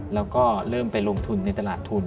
แล้วก็เริ่มไปลงทุนในตลาดทุน